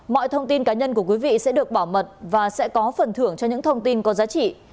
mọi thông tin cá nhân của quý vị sẽ được bảo mật và sẽ có phần thưởng cho những thông tin có giá trị